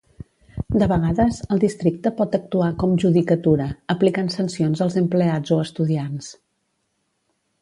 De vegades, el districte pot actuar com judicatura, aplicant sancions als empleats o estudiants.